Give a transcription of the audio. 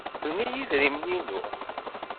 Ukren-iyi idrimen-inu.